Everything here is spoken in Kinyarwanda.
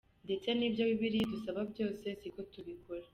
Ndetse n'ibyo Bibiliya idusaba byose siko tubikora.